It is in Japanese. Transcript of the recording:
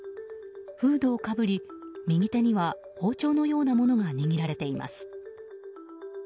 フードをかぶり右手には包丁のようなものが握られています。